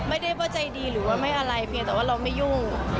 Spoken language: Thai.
ไม่ได้ว่าใจดีหรือว่าไม่อะไรเพียงแต่ว่าเราไม่ยุ่ง